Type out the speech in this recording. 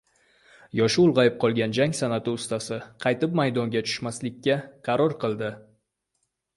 Yoshi ulgʻayib qolgan jang sanʼati ustasi qaytib maydonga tushmaslikka qaror qildi.